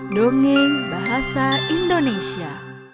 nongeng bahasa indonesia